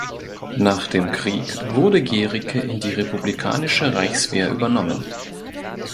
Nach dem Krieg wurde Gericke in die republikanische Reichswehr übernommen.